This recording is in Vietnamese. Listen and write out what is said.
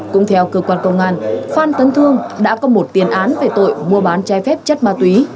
cũng theo cơ quan công an phan tấn thương đã có một tiền án về tội mua bán trái phép chất ma túy